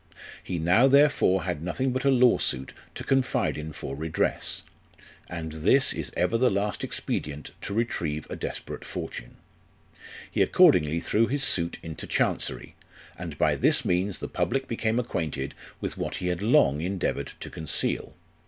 He now therefore had nothing but a law suit to confide in for redress ; and this is ever the last expedient to retrieve a desperate fortune. He accordingly threw his suit into Chancery, and by this means the public became acquainted with what he had long endeavoured to conceal.